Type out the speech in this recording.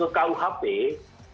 ketika kembali ke yuridis ke kuhp